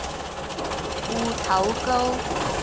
芋頭糕